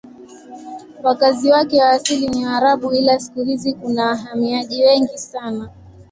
Wakazi wake wa asili ni Waarabu ila siku hizi kuna wahamiaji wengi sana.